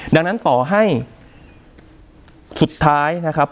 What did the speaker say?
ดังนั้นต่อให้สุดท้ายนะครับ